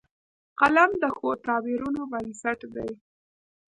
قلم د ښو تعبیرونو بنسټ دی